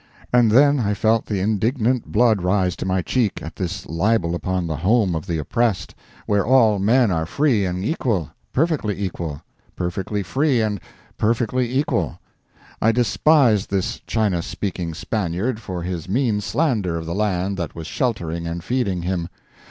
And then I felt the indignant blood rise to my cheek at this libel upon the Home of the Oppressed, where all men are free and equal—perfectly equal—perfectly free and perfectly equal. I despised this Chinese speaking Spaniard for his mean slander of the land that was sheltering and feeding him.